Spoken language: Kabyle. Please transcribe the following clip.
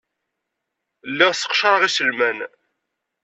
Lliɣ sseqcareɣ iselman.